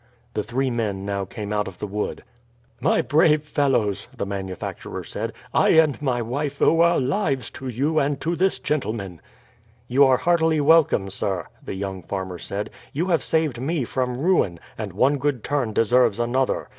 The three men now came out of the wood. "My brave fellows," the manufacturer said, "I and my wife owe our lives to you and to this gentleman." "You are heartily welcome, sir," the young farmer said. "You have saved me from ruin, and one good turn deserves another.